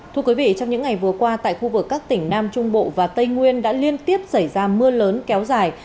thưa quý vị trong những ngày vừa qua tại khu vực các tỉnh nam trung bộ và tây nguyên đã liên tiếp xảy ra mưa lớn kéo dài